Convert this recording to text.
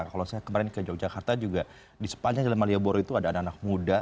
kalau saya kemarin ke yogyakarta juga di sepanjang jalan malioboro itu ada anak anak muda